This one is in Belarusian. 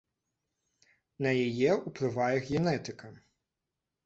На яе ўплывае генетыка.